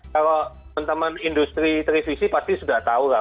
kalau teman teman industri televisi pasti sudah tahu lah